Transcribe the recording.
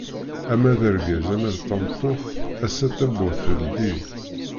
Ama d argaz ama d tameṭṭut, ass-a tawwurt teldi.